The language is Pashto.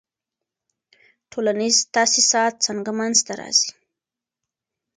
ټولنیز تاسیسات څنګه منځ ته راځي؟